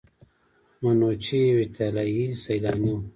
منوچي یو ایټالیایی سیلانی و.